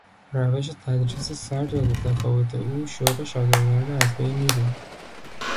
روش تدریس سرد و بیتفاوت او شوق شاگردان را از بین میبرد.